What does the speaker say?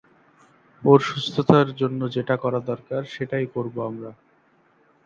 ওর সুস্থতার জন্য যেটা করা দরকার সেটাই করব আমরা!